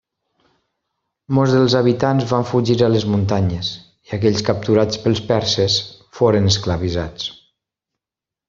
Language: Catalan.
Molts dels habitants van fugir a les muntanyes; i aquells capturats pels perses foren esclavitzats.